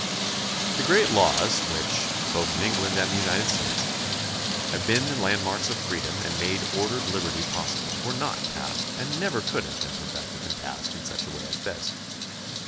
The great laws which, both in England and the United States, have been the landmarks of freedom and made ordered liberty possible were not passed and never could have been perfected and passed in such a way as this.